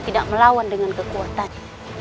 tidak melawan dengan kekuatannya